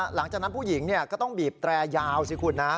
หลังจากนั้นผู้หญิงก็ต้องบีบแตรยาวสิคุณนะ